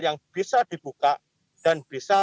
yang bisa dibuka dan bisa